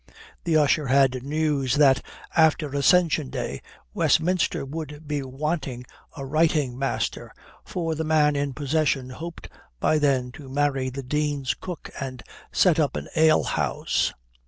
The usher had news that, after Ascension Day, Westminster would be wanting a writing master, for the man in possession hoped by then to marry the dean's cook and set up an ale house.